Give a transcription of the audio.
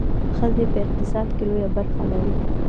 ښځې په اقتصاد کې لویه برخه لري.